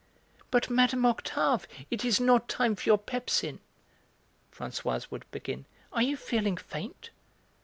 "But, Mme. Octave, it is not time for your pepsin," Françoise would begin. "Are you feeling faint?"